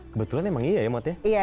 kebetulan emang iya ya mut ya